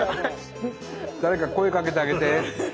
誰か声かけてあげて。